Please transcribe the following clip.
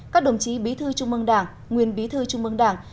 các đồng chí bí thư trung mương đảng nguyên bí thư trung mương đảng